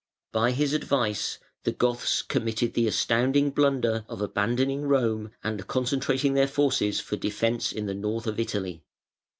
By his advice, the Goths committed the astounding blunder of abandoning Rome and concentrating their forces for defence in the north of Italy.